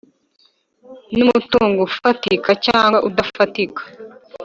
n umutungo ufatika cyangwa udafatika